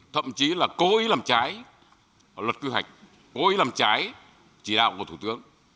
thậm chí là cố ý làm trái luật cư hạch cố ý làm trái chỉ đạo của thủ tướng